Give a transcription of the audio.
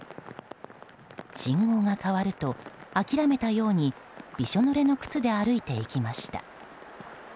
信号が変わると諦めたようにびしょぬれの靴で歩いていきました。